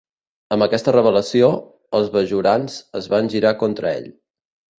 Amb aquesta revelació, els bajorans es van girar contra ell.